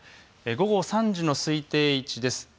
午後３時の推定位置です。